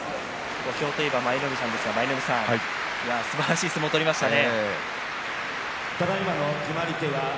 小兵といえば舞の海さんですがすばらしい相撲を取りましたね。